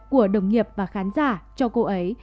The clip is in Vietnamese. của đồng nghiệp và khán giả cho cô ấy